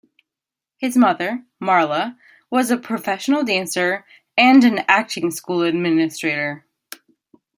His mother, Marla, was a professional dancer and an acting school administrator.